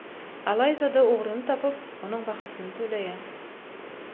Alaýsa-da ugruny tapyp, onuň bahasyny töleýär.